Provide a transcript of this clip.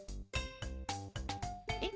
えっ？